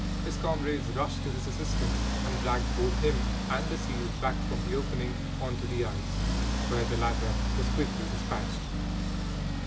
His comrades rushed to his assistance and dragged both him and the seal back from the opening on to the ice, where the latter was quickly despatched.